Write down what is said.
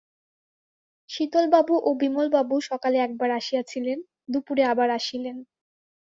শীতলবাবু ও বিমলবাবু সকালে একবার আসিয়াছিলেন, দুপুরে আবার আসিলেন।